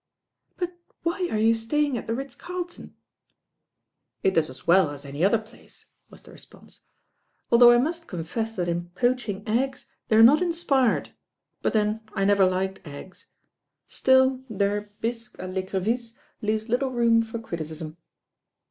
"But why are you staying at the Ritz Carlton ?" "It does as well as any other place," was the re sponse, "although I must confess that in poaching eggs they are not inspired, but then I never liked eggs; still, their bisque a I'ecrevisse leaves little room for criticism."